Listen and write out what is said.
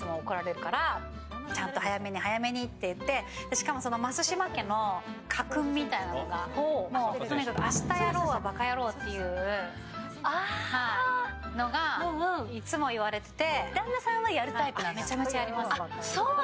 しかも、増嶋家の家訓みたいなのが「明日やろうはバカ野郎」っていうのがいつも言われてて。